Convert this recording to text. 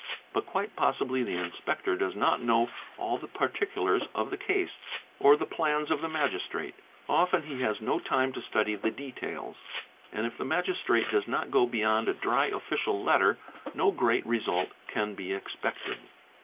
But quite possibly the Inspector does not know all the particulars of the case or the plans of the Magistrate ; often he has no time to study the details; and if the Magis trate does not go beyond a dry official letter, no great result can be expected.